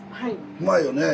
うまいよねえ。